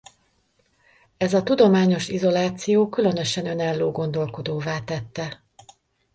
Ez a tudományos izoláció különösen önálló gondolkodóvá tette.